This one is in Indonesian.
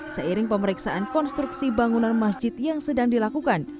seiring pemeriksaan konstruksi bangunan masjid yang sedang dilakukan